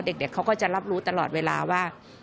เด็กเขาก็จะรับรู้ตลอดเวลาว่า